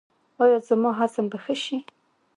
ایا زما هضم به ښه شي؟